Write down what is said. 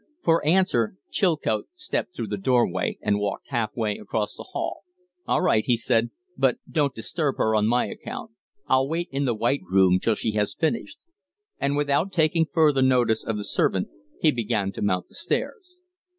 For answer Chilcote stepped through the door way and walked half way across the hall. "All right," he said. "But don't disturb her on my account. I'll wait in the white room till she has finished." And, without taking further notice of the servant, he began to mount the stairs.